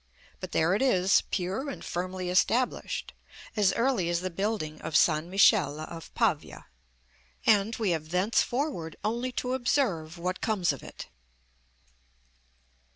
But there it is, pure and firmly established, as early as the building of St. Michele of Pavia; and we have thenceforward only to observe what comes of it.